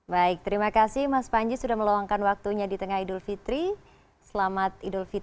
baik terima kasih mas panji sudah meluangkan waktunya di tengah idul fitri selamat idul fitri